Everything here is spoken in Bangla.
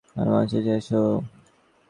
যাও, আমার জন্য ঐ পতাকা নিয়ে এসো।